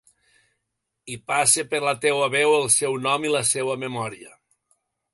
I passe per la teua veu el seu nom i la seua memòria.